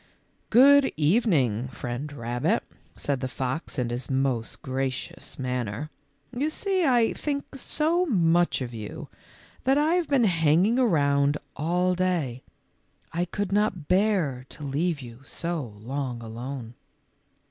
" Good evening, Friend Rabbit," said the fox in his most gracious manner ;" you see I think so much of you that I have been hanging around all day. I could not bear to leave you so long alone."